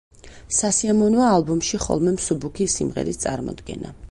სასიამოვნოა ალბომში ხოლმე მსუბუქი სიმღერის წარმოდგენა.